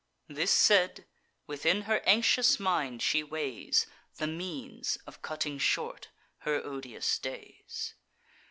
This said, within her anxious mind she weighs The means of cutting short her odious days.